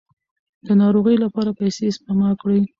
د ناروغۍ لپاره پیسې سپما کړئ.